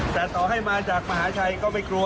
แต่ต่อให้มาจากมหาชัยก็ไม่กลัว